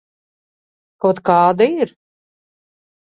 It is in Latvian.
Kaut kāda ir.